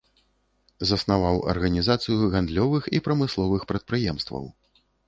Заснаваў арганізацыю гандлёвых і прамысловых прадпрыемстваў.